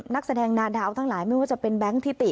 นักแสดงนาดาวทั้งหลายไม่ว่าจะเป็นแบงค์ทิติ